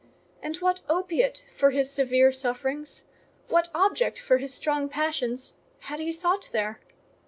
And what opiate for his severe sufferings—what object for his strong passions—had he sought there?